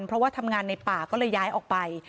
เพราะว่าทำงานในป่าก็เลยย้ายออกไป